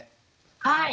はい。